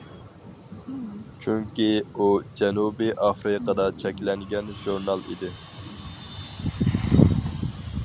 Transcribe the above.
چۈنكى، ئۇ جەنۇبىي ئافرىقىدا چەكلەنگەن ژۇرنال ئىدى.